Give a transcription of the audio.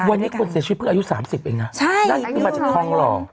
แต่วันนี้ผู้เสียชีวิตนี้คือช่วยอายุ๓๐เองนะนั่งมาจากทองรอ